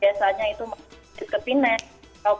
biasanya itu ke pines